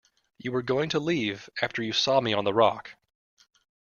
You were going to leave after you saw me on the rock.